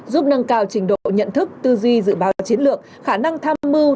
giúp nâng cao trình độ nhận thức tư duy dự báo chiến lược khả năng tham mưu